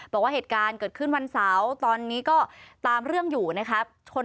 บอกว่าเหตุการณ์เกิดขึ้นวันเสาร์ตอนนี้ก็ตามเรื่องอยู่นะครับ